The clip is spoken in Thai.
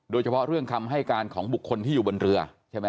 โดยเฉพาะเรื่องคำให้การของบุคคลที่อยู่บนเรือใช่ไหม